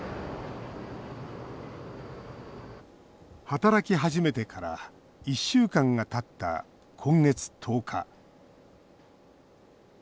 働き始めてから１週間がたった今月１０日１０日